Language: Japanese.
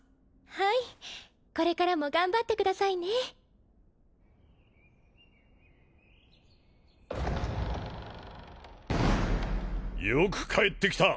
はいこれからも頑張ってくださいねよく帰ってきた！